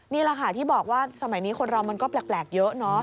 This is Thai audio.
นี่แหละค่ะที่บอกว่าสมัยนี้คนเรามันก็แปลกเยอะเนอะ